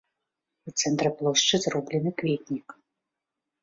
У цэнтры плошчы зроблены кветнік.